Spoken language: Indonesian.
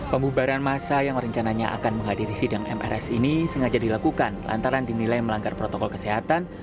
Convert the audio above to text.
pembubaran masa yang rencananya akan menghadiri sidang mrs ini sengaja dilakukan lantaran dinilai melanggar protokol kesehatan